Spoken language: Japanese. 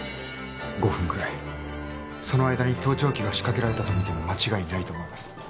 ５分くらいその間に盗聴器が仕掛けられたとみて間違いないと思います